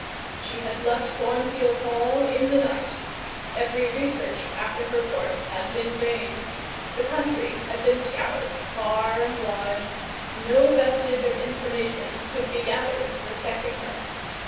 She had left Thornfield Hall in the night; every research after her course had been vain: the country had been scoured far and wide; no vestige of information could be gathered respecting her.